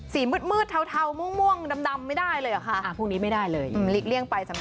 สีมืดคุ้ดเทาม่วงดำไม่ได้เลยอ่ะคะ